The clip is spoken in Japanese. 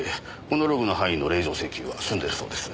このログの範囲の令状請求は済んでるそうです。